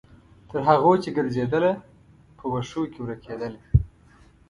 تر هغو چې ګرځیدله، په وښو کې ورکیدله